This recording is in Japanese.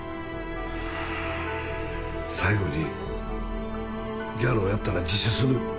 最後にギャロをやったら自首する。